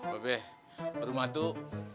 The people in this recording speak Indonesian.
bapak rumah tuh